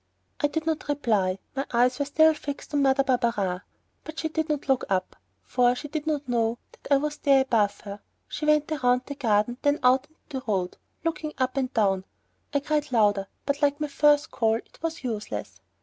I did not reply; my eyes were still fixed on Mother Barberin. But she did not look up, for she did not know that I was there above her. She went round the garden, then out into the road, looking up and down. I cried louder, but like my first call it was useless.